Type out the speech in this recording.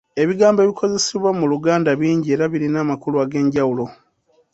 Ebigambo ebikozesebwa mu Lugnda bingi era birina amakulu ag'enjawulo.